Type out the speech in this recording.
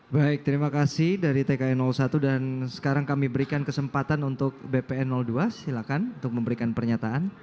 baik terima kasih dari tkn satu dan sekarang kami berikan kesempatan untuk bpn dua silakan untuk memberikan pernyataan